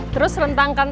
terus rentangkan tangan